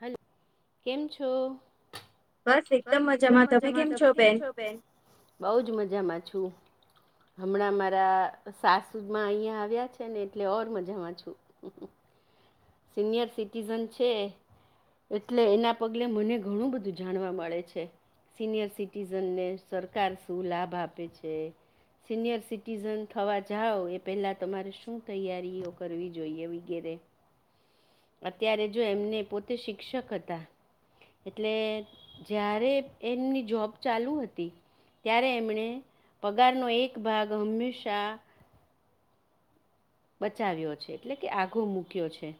Hello કેમ છો? બસ એકદમ મજામાં, તમે કેમ છો બેન? બઉજ મજામાં છું. હમણાં મારા સાસુમાં અહિયાં આવ્યા છે ને એટલે ઓર મજામાં છું. સિનિયર સિટીઝન છે એટલે એના પગલે મને ઘણું બધું જાણવા મળે છે. સિનિયર સિટીઝનને સરકાર શું લાભ આપે છે. સિનિયર સિટીઝન થવા જાવ એ પહેલા તમારે શું તૈયારીઓ કરવી જોઈએ વગેરે. અત્યારે જો એમને પોતે શિક્ષક હતા એટલે જ્યારે એમની જોબ ચાલુ હતી ત્યારે એમણે પગારનો એક ભાગ હંમેશા બચાવ્યો છે એટલે કે આઘો મૂક્યો છે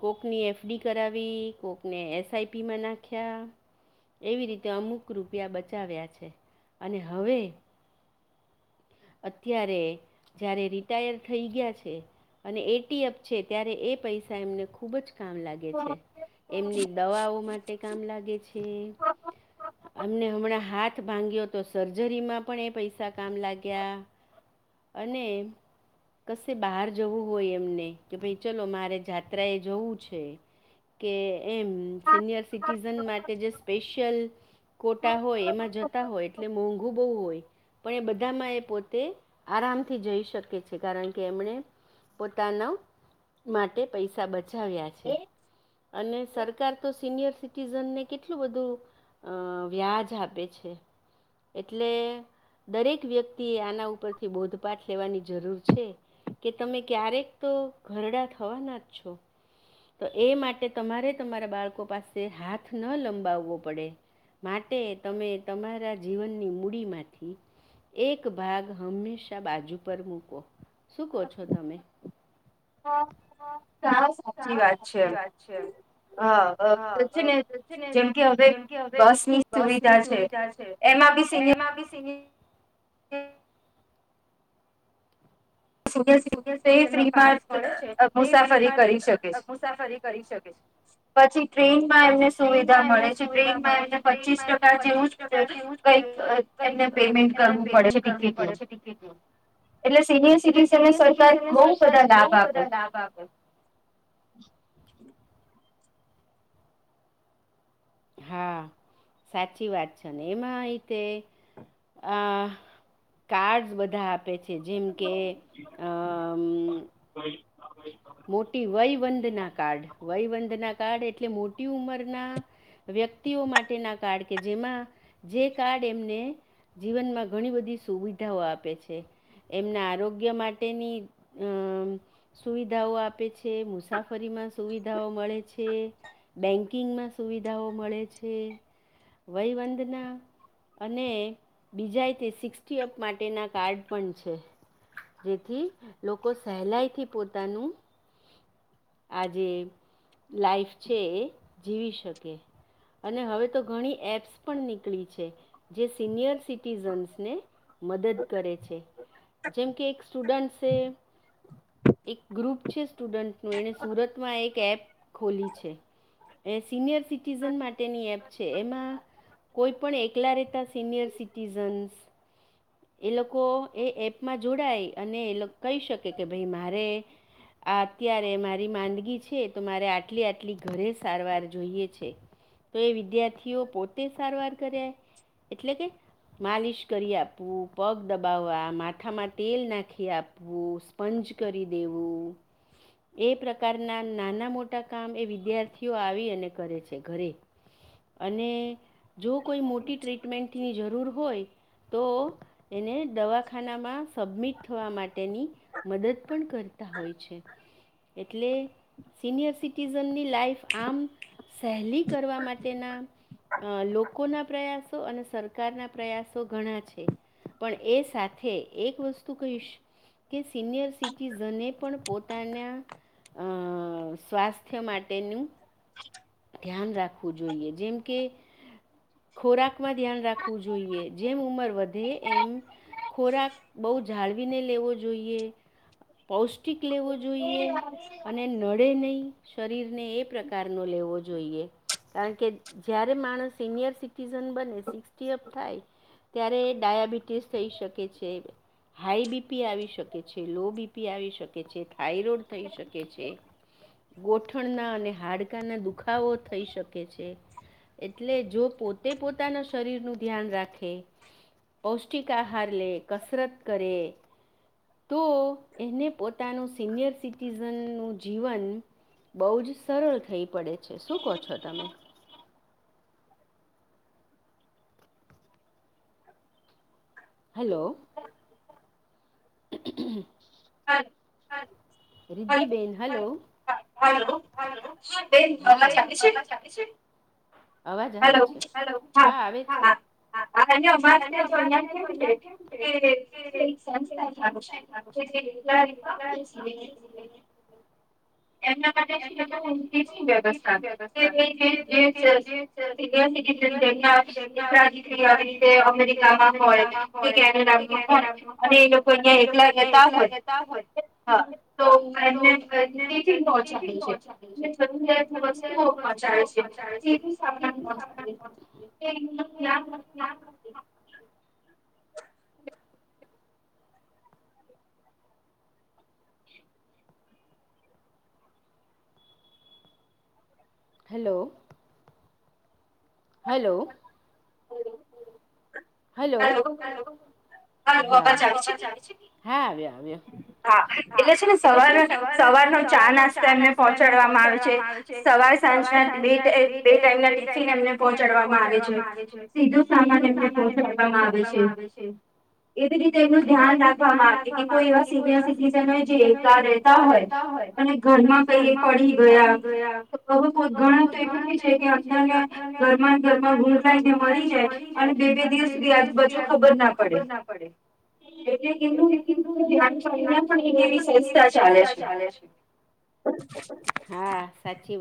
કોકની એફ ડી કરાવી કોકને એસ આઈ પી માં નાખ્યા એવી રીતે અમુક રૂપિયા બચાવ્યા છે. અને હવે અત્યારે જ્યારે રિટાયર થઈ ગયા છે અને એટીએફ છે ત્યારે એ પૈસા એમને ખૂબ જ કામ લાગે છે. એમની દવાઓ માટે કામ લાગે છે. અમને હમણાં હાથ ભાંગ્યો તો સર્જરીમાં પણ એ પૈસા કામ લાગ ગ્યા અને કશે બહાર જવું હોય એમને કે ભાઈ ચલો મારે જાત્રાએ જવું છે કે એમ સિનિયર સિટીઝન માટે જે સ્પેશિયલ કોટા હોય એમાં જતા હોય. એ મોંઘું બહુ હોય પણ એ બધામાં એ પોતે આરામથી જઈ શકે છે કારણ કે એમણે પોતાના માટે પૈસા બચ ચાવ્યા છે. અને સરકાર તો સિનિયર સિટીઝનને કેટલું બધું વ્યાજ અ આપે છે એટલે દરેક વ્યક્ત તી આના ઉપરથી બોધપાઠ લેવાની જરૂર છે કે તમે ક્યારેક તો ઘરડા થવાના જ છો તો એ માટે તમારે તમારા બાળકો પાસે હાથ ન લંબાવવો પડે માટે તમે તમારા જીવનની મૂડીમાંથી એક ભાગ હંમેશા બાજુ પર મૂકો. શું કહો છો તમે? હા સાવ સાચી વાત છે હ છે ને જેમ કે હવે બસની સુવિધા છે એમાં ભી સીની સિનયર સિટીન નો પાસ મળે છે તો ફ્રીમાં મુસાફરી કરી શકે છે પછી ટ્રેનમાં એમને સુવિધા મળે છે ટ્રેનમાં એ પચીસ ટકા જેવું કઈક એ પેમેન્ટ કરવું પડે છે ટિકિટનુ એટલે સિનિયર સિટીઝનને સરકાર બો બધા લાભ આપે. હા સાચી વાત છે ને એમાં એક એ અ કાર્ડ બધા આપે છે. જેમ કે અ મ મોટી વયવંદના કાર્ડ વયવંદના કાર્ડ એટલે મોટી ઉંમરના વ્યક્તિઓ માટેના કાર્ડ કે જેમાં જે કાર્ડ એમને જીવનમાં ઘણી બધી સુવિધાઓ આપે છે એમના આરોગ્ય માટેની અ સુવિધાઓ આપે છે. મુસાફરીમાં સુવિધાઓ મળે છે. બેન્કિંગમાં સુવિધાઓ મળે છે. વહીવંદના અને બીજા તે સિક્સ્ટી અપ માટેના કાર્ડ પણ છે. જેથી લોકો સહેલાઈથી પોતાનું આ જે લાઈફ છે એ જીવી શકે. અને હવે તો ઘણી એપ્સ પણ નીકળી છે જે સિનિયર સિટીઝન્સને મદદ કરે છે. જેમ કે એક સ્ટુડન્ટસે એક ગ્રુપ છે સ્ટુડન્ટ નું એણે સુરતમાં એક એપ ખોલી છે એ સિનિયર સિટીઝન માટેની એપ છે. એમાં કોઈ પણ એકલા રહેતા સિનિયર સિટીઝન્સ એ લોક કો એ એપમાં જોડાય અને એ કહી શકે કે ભાઈ મારે આ અત્યારે મારી માંદગી છે. તો મારે આટલી આટલી ઘરે સારવાર જોઈએ છે તો એ વિદ્યાર્થીઓ પોતે સારવાર કરે એટલે કે માલિશ કરી આપ વું પગ દબાવવા, માથામાં તેલ નાખી આપવું, સ્પંજ કરી દેવું એ પ્રકારના નાના મોટા કામ એ વિદ્યાર્થીઓ આવી અને કરે છે ઘરે. અને જો કોઈ મોટી ટ્રીટમેન્ટની જરૂર હોય તો એને દવાખાનામાં સબમિટ થવા માટેની મદદ પણ કરતા હોય છે. એટલે સિનિયર સિટીઝનની લાઈફ આમ સહેલી કરવા માટેના અ લોકોના પ્રયાસો અને સરકારના પ્રયાસો ઘણા છે. પણ એ સાથે એક વસ્તુ કહીશ કે સિનિયર સિટીઝને પણ પોતાના અ સ્વાસ્થ્ય માટેનું ધ્યાન રાખવું જોઈએ જેમ કે ખોરાકમાં ધ્યાન રાખવું જોઈએ જેમ ઉંમર વધે એમ ખોરાક બો જાળવીને લેવો જોઈએ પૌષ્ટિક લેવો જોઈએ અને નળે નહીં શરીરને એ પ્રકારનો લેવો જોઈએ કારણ કે જ્યારે માણસ સિનિયર સિટીઝન બને સિક્સ્ટી અપ થાય ત્યારે ડાયાબિટીસ થઈ શકે છે હાઈ બી પી આવી શકે છે લો બી પી આવી શકે છે ટાઈરોડ થઈ શકે છે ગોઠણના અને હાડકા ના દુઃખ દુખાવો થઈ શકે છે એટલે જો પોતે પોતાના શરીરનું ધ્યાન રાખે પૌષ્ટિક આહાર લે કસરત કરે તો એને પોતાનું સિનિયર સિટીઝનનું જીવન બો જ સરળ થઈ પડે હલો [inaudible] [inaudible] રિદ્ધિબેન હલો હલો બેન અવાજ આવે છે અવાજ આવે છે હા આવે છે આ અમારે તયા જો અહિયાં [inaudible] [inaudible] એમના માટે [inaudible] એકલા રહેેતા હોય તો એમને [inaudible] હેલો હલો હલો અવાજ આવે છે હા આવે આવે હા એટલે છે ને સર સવારનો ચા નાસ્તા એમને પહોંચાડવામાં આવે છે સવાર સાંજના બે બે ટાઈમ ના ટિફિન એમને પહોચાડવામાં આવે છે સીધો સામાન એમને પહચાડવામાં આવે છે એવી રીતે એમનું ધ્યાન રાખવામાં આવે કે કોઈત સ સ એકલા રતા હોય અને ઘરમાં કઈ પડી ગયા ગણ તો એવું થ છે કે અંદરને માન ઘરમાં ગૂખરાઈ ને મરી જાય અને બે બે દિવસ સુધી આજુબાજુ ખબર ના પડે એટલે એનું હા ધ સાચી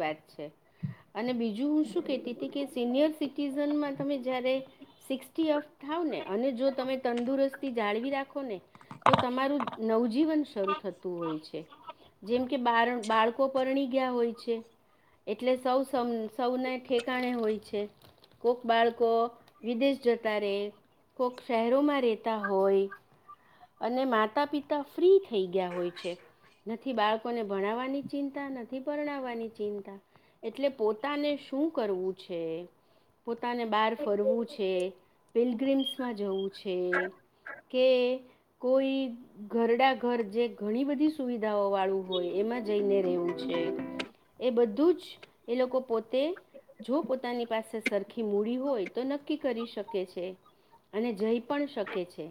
વાત છે અને બીજું હું શું કેતી હતી કે સિનિયર સિટીઝનમાં તમે જ્યારે સિક્સ્ટી અપ થાવ ને અને જો તમે તંદુરસ્તી જાળવી રાખો ને તો તમારું નવજીવન શરૂ થતું હોય છે જેમ કે બા બાળકો પરણી હોય છે એટલે સૌ સૌને ઠેકાણે હોય છે છે કોઈક બાળકો વિદેશ જતા રહે કોઈક શહેરોમાં રહેતા હોય અને માતા પિતા ફ્રી થઈ ગયા હોય છે નથી બાળકોને ભણાવવાની ચિંતા નથી પરણાવવાની ચિંતા એટલે પોતાને શું કરવું છે પોતાને બહાર ફરવું છે પીલગ્રીમ્સમાં જવું છે કે કોઈ ઘરડા ઘર જે ઘણી બધી સુવિધાઓ વાળું હોય એમાં જઈને રહેવું છે એ બધું જ એ લોકો પોતે જો પોતા પા સરખી મૂડી હોય તો નક્કી કરી શકે છે અને જઈ પણ શકે છે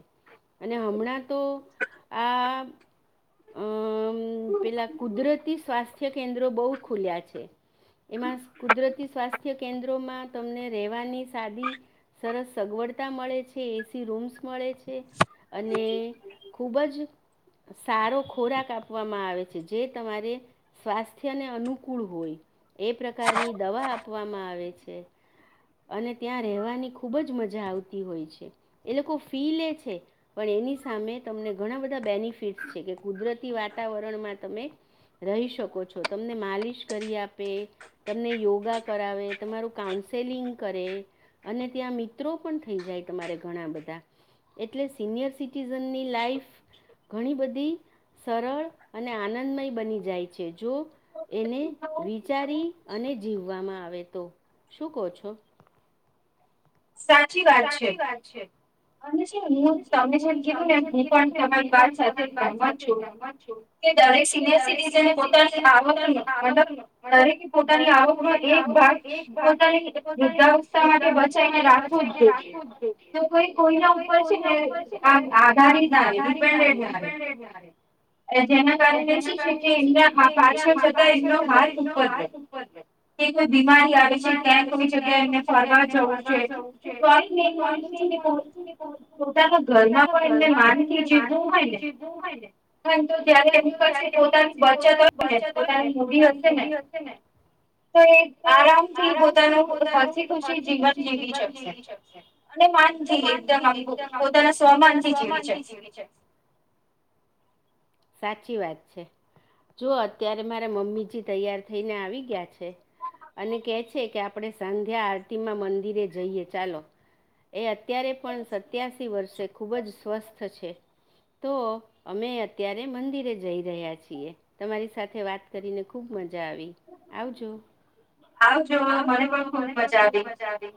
અને હમણાં તો આ અમ પેલા કુદરતી સ્વાથ સ્ કેન્દ્રો બહુ ખુલ્યા છે એમાં કુદરતી સ્વાસ્થ્ય કેન્દ્રોમાં તમને રહેવાની સાદી સરસ સગવડતા મળે છે એસી રૂમ્સ મળે છે અને ખૂબ જ સારો ખોરાક આપવામાં આવે છે જે તમારે સ્વાસ્થ્યને અનુકૂળ હોય એ પ્રકારની દવા આપવામાં આવે છે અને ત્યાં રહેવાની ખુબ જ મજા આવતી હોય છે એ લોકો ફી લે છે પણ એની સામે તમને ઘણા બધા બેનિફિટસ છે કે કુદરતી વાતાવરણમાં તમે રહી શકો છો તમને માલિશ કરી આપે તમને યોગા કરાવે તમારું કાઉન્ સેલિંગ કરે અને ત્યાં મિત્રો પણ થઈ જાય તમારે ઘણા બધા એટલે સિનિયર સિટીઝનની લાઈફ ઘણી બધી સરળ અને આનંદમય બની જાય છે જો એને વિચારી અને જીવવામાં આવે તોો શું કહો છો સાચી વાત છે અને છે હું તમે જેમ કીધું ને હું પણ તમારી વાત સાથે તેમમાં છું કે દરેક સિનિયર સટી પોતાની આવકનો મતલબ દરેકે પોતાની આવકનો એક ભાગ પોતાની વૃદ્ધાવસ્થા માટે બચીને રાખ ને રાખવું જ જોઈ કોઈ કોઈના ઉપર છે ને આધારી ના રહે ડિપેન્ડે ના રહે જેના કારણે શ છે કે એમના પાછળ જતા એમનો હારથ ઉપર રહે કે કોઈ બીમારી આવે છે ક્યાંય કોઈ જગ્યાએ એમને ફરવા જવું છે મેન મંદર પોતાના ઘરમાં પણ એમને માન થી જીવવું હોયને પર જ્યારે એની પછી પોતાની બચત હોય ને પોતાની મોભી હશે ને તો એ આરામ થી પોતાનું હસી ખુશી જીવન અને માન માન થી એકદમ આમ પોતાના સ્વમાન થી જીવી છે સાચી વાત છે જો અત્યારે મારા મમ્મીજી તૈયાર થઈને આવી ગયા છે અને કેહે છે કે આપણે સાધ્યા આરતીમાં મંદિરે જઈએ ચાલો એ અત્યારે પણ સત્યાસી વર્ષે ખૂબ જ સ્વસ્થ છે તો અમે અ્યારે મંદિરે જઈ રહ્યા છીએ તમારી સાથે વાત કરીને ખુબ મજા જ મ ખબ મજા આવી